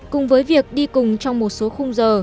cùng với việc đi cùng trong một số khung giờ